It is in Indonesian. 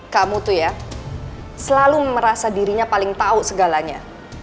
kamu tuh ya selalu merasa dirinya paling tahu segalanya